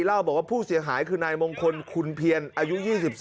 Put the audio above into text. เล่าบอกว่าผู้เสียหายคือนายมงคลคุณเพียรอายุ๒๔